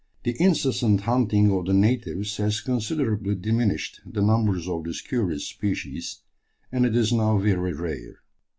The incessant hunting of the natives has considerably diminished the numbers of this curious species, and it is now very rare.